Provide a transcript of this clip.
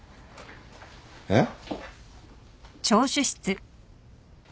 えっ？